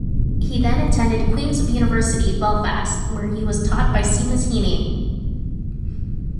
He then attended Queen's University, Belfast, where he was taught by Seamus Heaney.